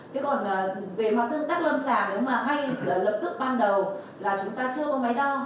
thế còn về mặt tương tác lâm sàng nếu mà hay lập tức ban đầu là chúng ta chưa có máy đo